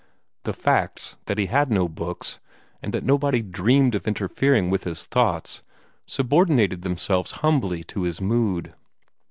The facts that he had no books, and that nobody dreamed of interfering with his thoughts, subordinated themselves humbly to his mood.